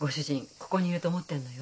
ここにいると思ってるのよ。